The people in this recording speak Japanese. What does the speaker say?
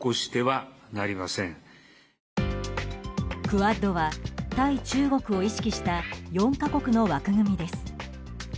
クアッドは対中国を意識した４か国の枠組みです。